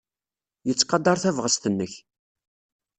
Yettqadar tabɣest-nnek.